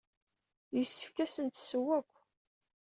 Yessefk ad asen-tesseww akk.